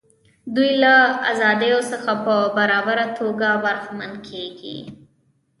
دوی له ازادیو څخه په برابره توګه برخمن کیږي.